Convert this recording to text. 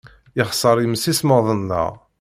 Yexṣer yemsismeḍ-nneɣ.